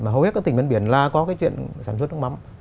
mà hầu hết các tỉnh bên biển là có cái chuyện sản xuất nước mắm